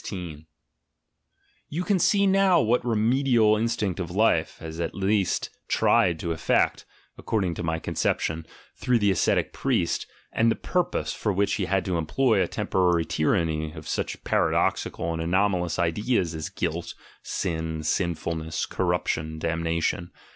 You can see now what the remedial instinct of life has at least tried to effect, according to my conception, through the ascetic priest, and the purpose for which he had to employ a temporary tyranny of such paradoxical and anomalous ideas as "guilt," "sin," "sinfulness," "corruption," "damnation."